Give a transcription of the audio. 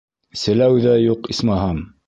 Селәү ҙә юҡ, исмаһам.